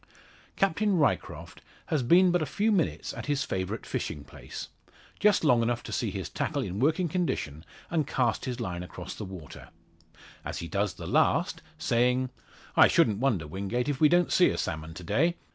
Captain Ryecroft has been but a few minutes at his favourite fishing place just long enough to see his tackle in working condition, and cast his line across the water; as he does the last, saying "I shouldn't wonder, Wingate, if we don't see a salmon to day.